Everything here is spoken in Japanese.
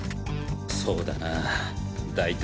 そうだなぁ大体。